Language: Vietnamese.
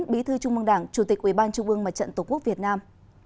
bí thư trung mương đảng chủ tịch ubnd trung ương mà trận tổ quốc việt nam